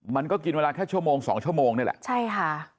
มันก็กินเวลาแค่ชั่วโมงสองชั่วโมงนี่แหละใช่ค่ะ